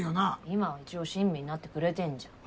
今は一応親身になってくれてんじゃん。